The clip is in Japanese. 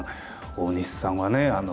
大西さんはね